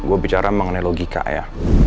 gue bicara mengenai logika ya